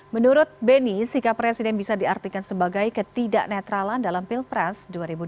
menurut beni sikap presiden bisa diartikan sebagai ketidak netralan dalam pilpres dua ribu dua puluh